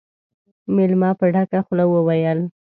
مېلمه په ډکه خوله وويل: